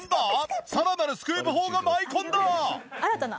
さらなるスクープ砲が舞い込んだ！